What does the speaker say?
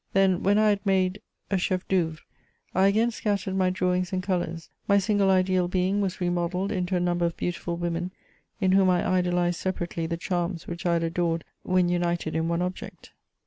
Then, when I had made a chef'd'ceuvre, I again scattered my drawings and colours ; my sangle ideal being was remodeUed into a number of beautiful women, in whom I idolized separately the charms which I had adored when united in one object.